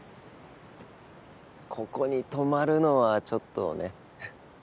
ここに泊まるのはちょっとね。